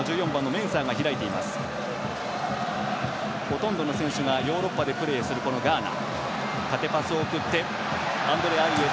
ほとんどの選手がヨーロッパでプレーするガーナ。